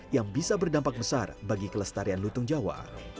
yang bisa berdampak besar bagi kelestarian lutung jawa